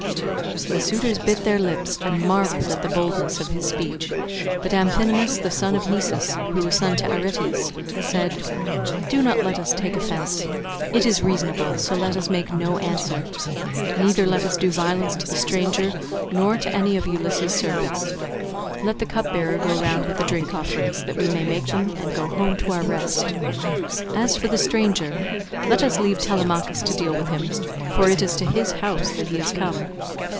The suitors bit their lips and marvelled at the boldness of his speech; but Amphinomus the son of Nisus, who was son to Aretias, said, "Do not let us take offence; it is reasonable, so let us make no answer. Neither let us do violence to the stranger nor to any of Ulysses' servants. Let the cupbearer go round with the drink offerings, that we may make them and go home to our rest. As for the stranger, let us leave Telemachus to deal with him, for it is to his house that he has come."